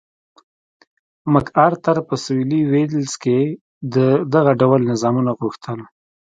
مک ارتر په سوېلي ویلز کې دغه ډول نظامونه غوښتل.